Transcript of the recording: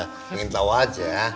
pengen tau aja